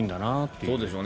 そうでしょうね。